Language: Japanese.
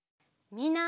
みんな！